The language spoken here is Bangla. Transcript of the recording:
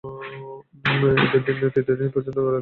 ঈদের দিন থেকে তৃতীয় দিন পর্যন্ত বেলা তিনটা থেকে বিকেল পাঁচটা।